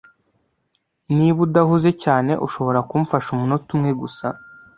Niba udahuze cyane, ushobora kumfasha umunota umwe gusa?